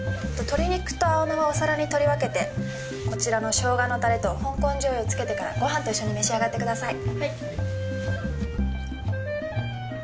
鶏肉と青菜はお皿に取り分けてこちらのショウガのタレと香港醤油をつけてからご飯と一緒に召し上がってください。